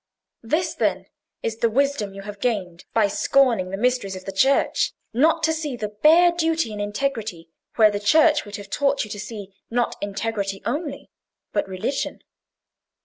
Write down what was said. This, then, is the wisdom you have gained by scorning the mysteries of the Church?—not to see the bare duty of integrity, where the Church would have taught you to see, not integrity only, but religion."